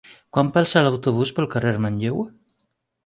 Quan passa l'autobús pel carrer Manlleu?